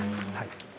はい。